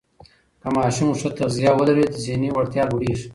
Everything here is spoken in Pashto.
که ماشومان ښه تغذیه ولري، ذهني وړتیا لوړېږي.